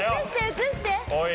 映して！